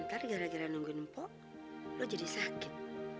ntar gara gara nungguin mpok lo jadi sakit